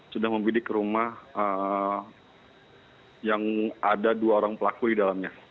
sudah membidik rumah yang ada dua orang pelaku di dalamnya